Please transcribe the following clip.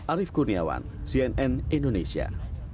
arief kurniawan cnn indonesia